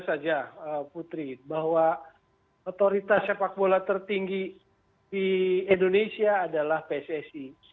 saja putri bahwa otoritas sepak bola tertinggi di indonesia adalah pssi